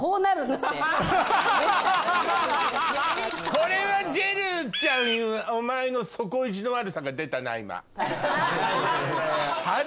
これはジェルちゃんお前の底意地の悪さが出たな今。